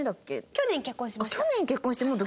去年結婚しました。